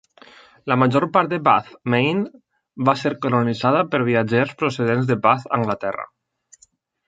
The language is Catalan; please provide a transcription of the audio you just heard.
La major part de Bath, Maine, va ser colonitzada per viatgers procedents de Bath, Anglaterra.